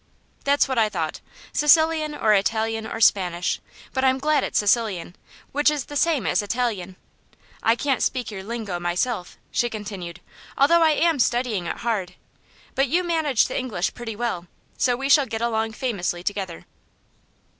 "That's what I thought; Sicilian or Italian or Spanish; but I'm glad it's Sicilian, which is the same as Italian. I can't speak your lingo myself," she continued, "although I am studying it hard; but you manage the English pretty well, so we shall get along famously together."